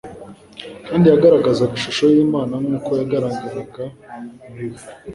kandi yagaragazaga ishusho y’Imana nk’uko yagaragariraga muri We.